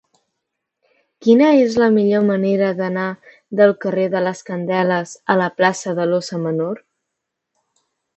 Quina és la millor manera d'anar del carrer de les Candeles a la plaça de l'Óssa Menor?